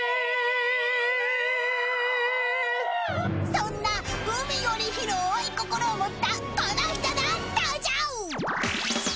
［そんな海より広ーい心を持ったこの人が登場！］